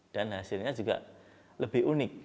dan hasilnya juga lebih unik